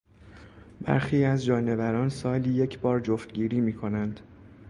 برخی از جانوران سالی یک بار جفتگیری میکنند.